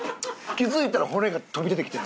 気付いたら骨が飛び出てきてる。